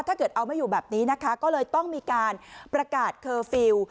ถ้าเกิดเอาไม่อยู่แบบนี้นะคะก็เลยต้องมีการประกาศเคอร์ฟิลล์